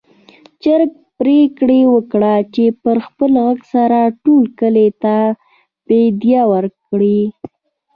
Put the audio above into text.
چرګ پرېکړه وکړه چې په خپل غږ سره ټول کلي ته بېده وکړي.